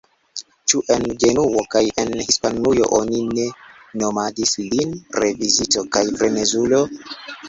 Ĉu en Genuo kaj en Hispanujo oni ne nomadis lin revisto kaj frenezulo?